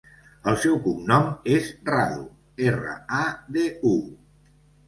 El seu cognom és Radu: erra, a, de, u.